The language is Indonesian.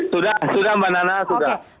sudah sudah mbak nana sudah